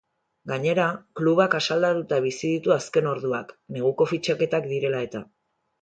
Gainera, klubak asaldatuta bizi ditu azken orduak, neguko fitxaketak direla-eta.